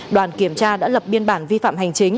đoàn kiểm tra đã lập biên bản vi phạm hành chính